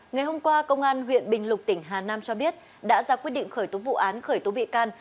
ngày hôm qua công an huyện bình lục tỉnh hà nam cho biết đã ra quyết định khởi tố vụ án khởi tố bị can